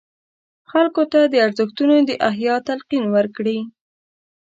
خلکو ته د ارزښتونو د احیا تلقین ورکړي.